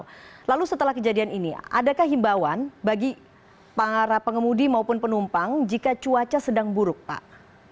apakah kejadian ini adalah kejadian ini adakah himbauan bagi para pengemudi maupun penumpang jika cuaca sedang buruk pak